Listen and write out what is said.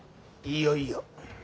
いよいよ。